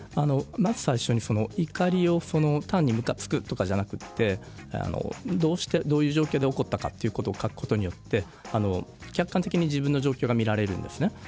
まず最初に怒りを単にむかつくとかではなくてどういう状況で起こったかということを書くことによって客観的に自分の状況が見られるんですね。